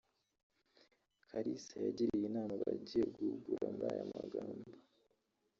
Kalisa yagiriye inama abagiye guhugura muri aya magambo